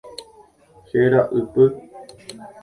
Héra ypy.